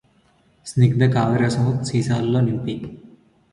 స్నిగ్ధ కావ్యరసము సీసాలలో నింపి